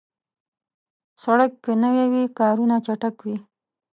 سړک که نوي وي، کارونه چټک وي.